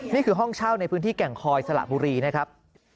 นี่คือห้องเช่าในพื้นที่แก่งคอยสละบุรีนะครับ